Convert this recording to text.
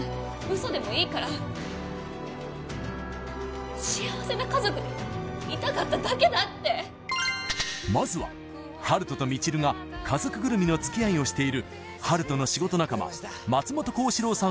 嘘でもいいから幸せな家族でいたかっただけだってまずは温人と未知留が家族ぐるみの付き合いをしている温人の仕事仲間松本幸四郎さん